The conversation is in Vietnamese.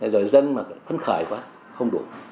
rồi dân khấn khởi quá không đủ